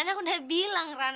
iya kan aku udah bilang ran